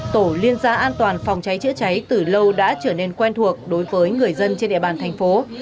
tổ liên gia an toàn phòng cháy chữa cháy từ lâu đã trở nên quen thuộc đối với người dân trên địa bàn thành phố